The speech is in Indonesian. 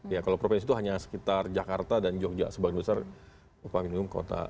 ya kalau provinsi itu hanya sekitar jakarta dan jogja sebagian besar upah minimum kota